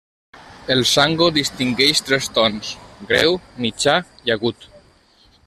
El sango distingeix tres tons: greu, mitjà i agut.